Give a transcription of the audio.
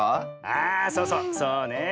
あそうそうそうね。